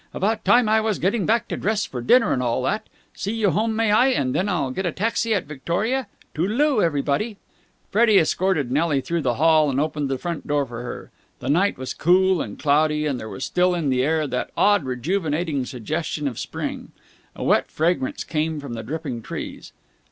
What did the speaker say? About time I was getting back to dress for dinner and all that. See you home, may I, and then I'll get a taxi at Victoria. Toodle oo, everybody." Freddie escorted Nelly through the hall and opened the front door for her. The night was cool and cloudy and there was still in the air that odd, rejuvenating suggestion of Spring. A wet fragrance came from the dripping trees.